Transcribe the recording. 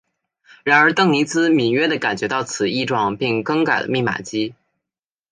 然而邓尼兹敏锐地感觉到此异状并更改了密码机。